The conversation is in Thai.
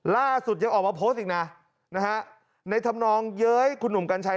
ล่าสุดยังออกมาโพสต์อีกนะนะฮะในธรรมนองเย้ยคุณหนุ่มกัญชัย